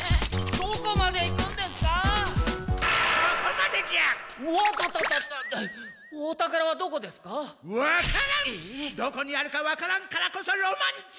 どこにあるかわからんからこそロマンじゃ！